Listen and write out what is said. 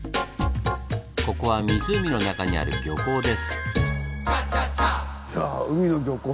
ここは湖の中にある漁港です。